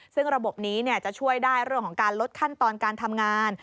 ซึ่งระบบนี้จะช่วยได้เรื่องของการลดขั้นตอนการทำงาน